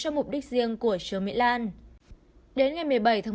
cho mục đích riêng của trường mỹ lan